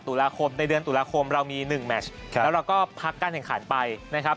ตุลาคมในเดือนตุลาคมเรามี๑แมชแล้วเราก็พักการแข่งขันไปนะครับ